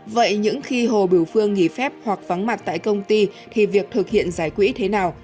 vậy những khi hồ biểu phương nghỉ phép hoặc vắng mặt tại công ty thì việc thực hiện giải quỹ thế nào